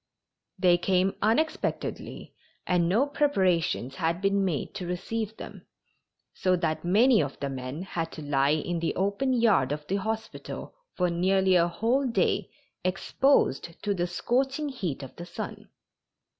They came unexpectedly and no preparations had been made to receive them, so that many of the men had to lie in the open yard of the hospital for nearly a whole day exposed to the scorching heat of the sun.